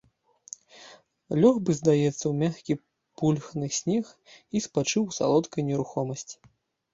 Лёг бы, здаецца, у мяккі, пульхны снег і спачыў у салодкай нерухомасці.